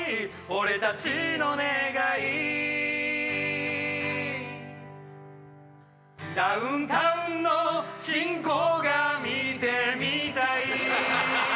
俺たちの願いダウンタウンのチンコが見てみたい